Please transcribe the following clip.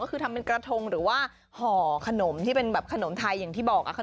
ก็คือทำเป็นกระทงหรือว่าห่อขนมที่เป็นแบบขนมไทยอย่างที่บอกค่ะ